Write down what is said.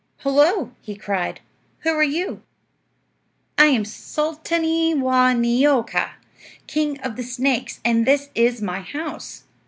"Hullo!" he cried; "who are you?" "I am Sulta'nee Waa' Neeo'ka, king of the snakes, and this is my house.